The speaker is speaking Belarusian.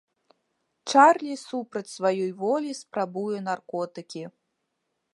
Чарлі супраць сваёй волі спрабуе наркотыкі.